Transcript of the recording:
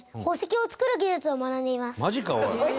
マジかおい！